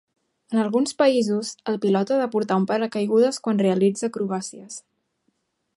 En alguns països, el pilot ha de portar un paracaigudes quan realitza acrobàcies.